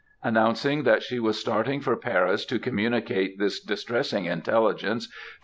announcing that she was starting for Paris to communicate this distressing intelligence to M.